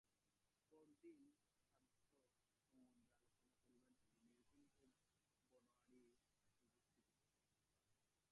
পরদিন শ্রাদ্ধ সম্বন্ধে অলোচনা করিবার জন্য নীলকণ্ঠ বনোয়ারির কাছে উপস্থিত হইল।